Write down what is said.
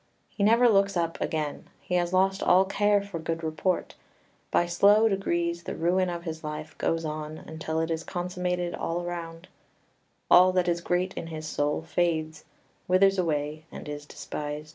He never looks up again; he has lost all care for good report; by slow degrees the ruin of his life goes on, until it is consummated all round; all that is great in his soul fades, withers away, and is despised.